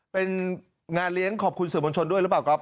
เป็นงานเลี้ยงขอบคุณสื่อมวลชนด้วยหรือเปล่าครับ